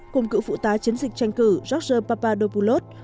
cùng cựu phụ tá chiến dịch tranh cử george papadovolod